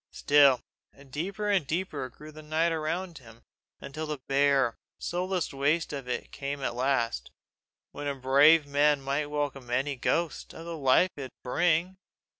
Still deeper and deeper grew the night around him, until the bare, soulless waste of it came at last, when a brave man might welcome any ghost for the life it would bring.